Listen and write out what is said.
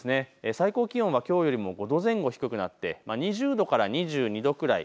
最高気温はきょうよりも５度前後低くなって２０度から２２度くらい。